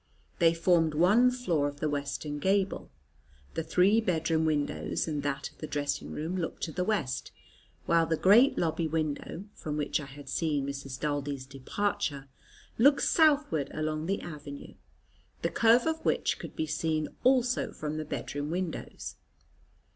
They formed one floor of the western gable; the three bedroom windows and that of the dressing room looked to the west, while the great lobby window, from which I had seen Mrs. Daldy's departure, looked southward along the avenue, the curve of which could be seen also from the bedroom windows.